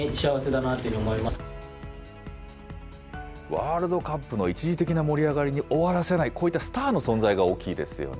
ワールドカップの一時的な盛り上がりに終わらせない、こういったスターの存在が大きいですよね。